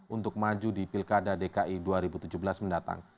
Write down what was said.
untuk maju di pilkada dki dua ribu tujuh belas mendatang